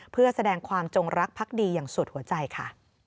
เพื่อแสดงความจงรักพักดีอย่างสุดหัวใจค่ะ